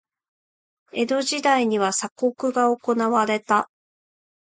江戸時代には鎖国が行われた。